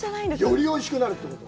よりおいしくなるってこと？